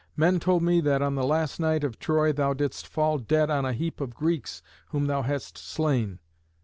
Men told me that on the last night of Troy thou didst fall dead on a heap of Greeks whom thou hadst slain.